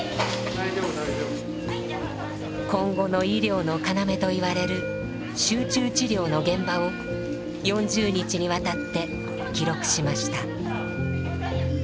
今後の医療の要といわれる集中治療の現場を４０日にわたって記録しました。